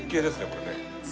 これね。